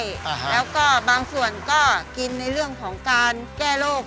แล้วก็บางส่วนก็กินในเรื่องของการแก้โรค